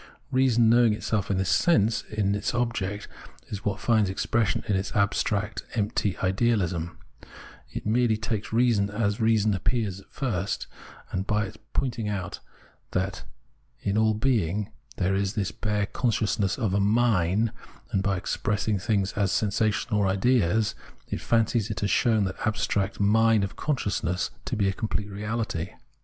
Reason knowing itself in this sense in its object is what finds expression in abstract empty ideahsm ]* it merely takes reason as reason appears at first, and by its pointing out that in all being there is this bare con sciousness of a " mine," and by expressing things as sensations or ideas, it fancies it has shown that abstract " mine " of consciousness to be complete reality.